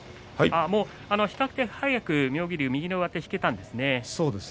比較的早く、妙義龍右の上手が引けたんですね。